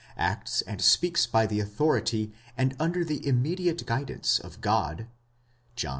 acts and speaks by the authority, and under the immediate guidance of God (John v.